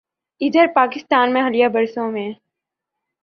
ادھر پاکستان میں حالیہ برسوں میں